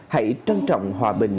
hãy trân trọng hòa bình